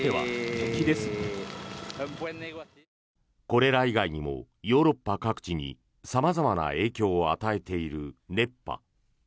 これら以外にもヨーロッパ各地に様々な影響を与えている熱波。